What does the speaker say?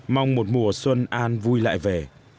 mong một mùa xuân an vui lại về